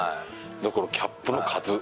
このキャップの数！